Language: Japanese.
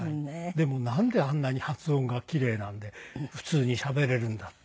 でもなんであんなに発音が奇麗なんで普通にしゃべれるんだって。